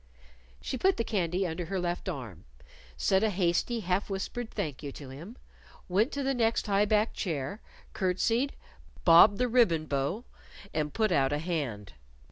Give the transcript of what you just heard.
She put the candy under her left arm, said a hasty, half whispered Thank you to him, went to the next high backed chair, curtsied, bobbed the ribbon bow and put out a hand.